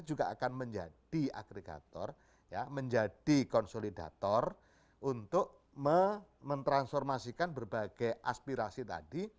juga akan menjadi agregator menjadi konsolidator untuk mentransformasikan berbagai aspirasi tadi